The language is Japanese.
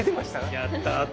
やった！